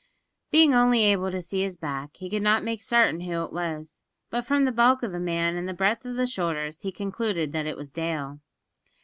Being only able to see his back, he could not make certain who it was, but from the bulk of the man and breadth of the shoulders he concluded that it was Dale.